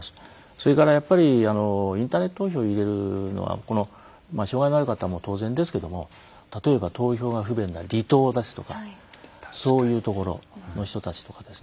それからインターネット投票を入れるのは障害のある方も当然ですけども例えば投票が不便な離島ですとかそういうところの人たちとかですね。